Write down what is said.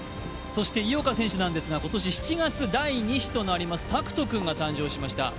井岡選手なんですが今年７月、第２子となる大空翔君が誕生しました。